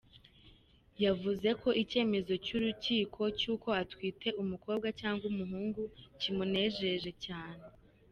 Yavuze ko icyemezo cy’urukiko cy’uko atitwa umukobwa cyangwa umuhungu kimunejeje cyane.